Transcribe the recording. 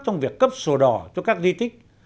trong việc cấp sổ đỏ cho các di tích